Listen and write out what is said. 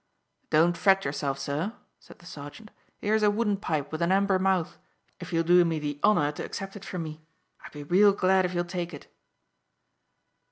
"Don't you fret yourself, sir," said the sergeant. "'Ere's a wooden pipe with an amber mouth, if you'll do me the honour to accept it from me. I'd be real glad if you will take it."